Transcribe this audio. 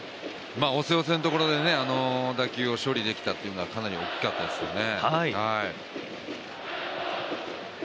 押せ押せのところでね、打球を処理できたっていうのが非常に大きかったですよね。